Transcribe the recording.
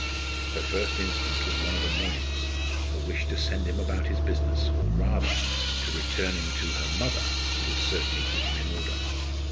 Her first instinct was one of annoyance a wish to send him about his business, or rather to return him to her mother who would certainly keep him in order.